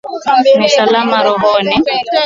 Ni Salama Rohoni